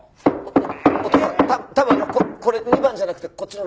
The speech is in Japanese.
お義父さん多分これ２番じゃなくてこっちの６番。